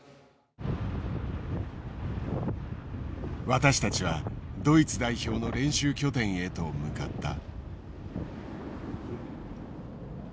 私たちはドイツ代表の練習拠点へと向かった。